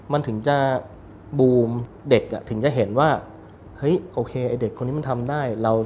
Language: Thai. มันถึงจะบูมเด็กถึงจะเห็นว่าเฮ้ยโอเคไอ้เด็กคนนี้มันทำได้